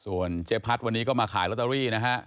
ส่วนเจ๊พัดวันนี้ก็มาขายลอตเตอรี่นะฮะ